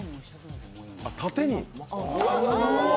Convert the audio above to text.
縦に。